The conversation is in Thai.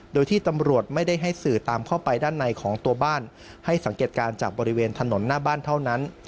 โดยที่ตำรวจไม่ได้ให้สื่อตามเข้าไปด้านในของตัวบ้านให้สังเกตการณ์จากบริเวณถนนหน้าบ้านเท่านั้น